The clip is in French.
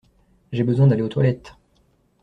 J'ai besoin d'aller aux toilettes.